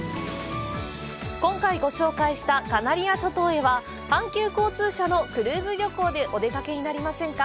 今回ご紹介したカナリア諸島へは、阪急交通社のクルーズ旅行でお出かけになりませんか？